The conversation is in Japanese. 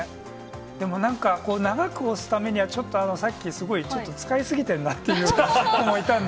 でもなんか、長く推すためには、ちょっとさっき、すごいちょっと使い過ぎてるなっていう子もいたんで。